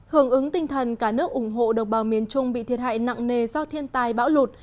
hưởng ứng tinh thần cả nước ủng hộ đồng bào miền trung bị thiệt hại nặng nề do thiên tai bão lụt